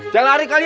jangan lari kalian